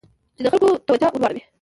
چې د خلکو توجه ور واړوي.